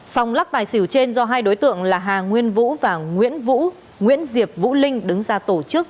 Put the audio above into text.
sòng lắc tài xỉu trên do hai đối tượng là hà nguyên vũ và nguyễn diệp vũ linh đứng ra tổ chức